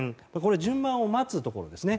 順番を待つところですね。